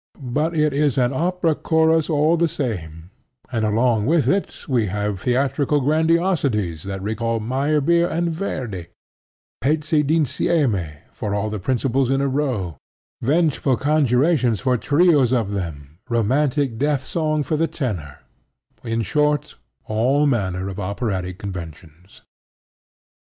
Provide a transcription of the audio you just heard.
But it is an opera chorus all the same; and along with it we have theatrical grandiosities that recall Meyerbeer and Verdi: pezzi d'insieme for all the principals in a row, vengeful conjurations for trios of them, romantic death song for the tenor: in short, all manner of operatic conventions.